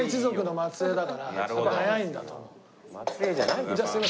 末裔じゃない。